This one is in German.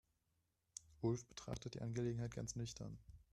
Ulf betrachtet die Angelegenheit ganz nüchtern.